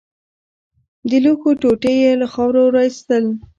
د لوښو ټوټې يې له خاورو راايستل.